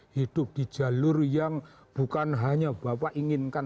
hidup di jalur yang bukan hanya bapak inginkan